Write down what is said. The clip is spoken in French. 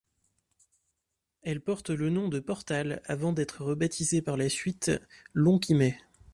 Elle porte le nom de Portales avant d'être rebaptisé par la suite Lonquimay.